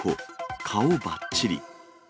顔ばっちり。